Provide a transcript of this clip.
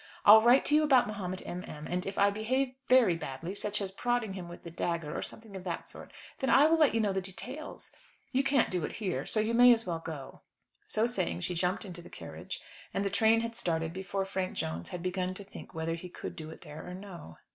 I'll write to you about Mahomet M. M.; and if I behave very badly, such as prodding him with the dagger, or something of that sort, then I will let you know the details. You can't do it here, so you may as well go." So saying, she jumped into the carriage, and the train had started before Frank Jones had begun to think whether he could do it there or no.